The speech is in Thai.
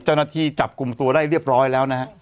เจ้าหน้าที่จับกลุ่มตัวได้เรียบร้อยแล้วนะฮะ